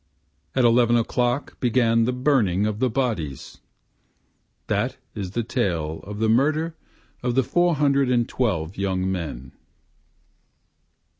At eleven o'clock began the burning of the bodies; That is the tale of the murder of the four hundred and twelve young men.